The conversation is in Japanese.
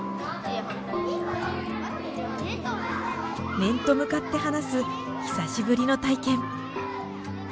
面と向かって話す久しぶりの体験。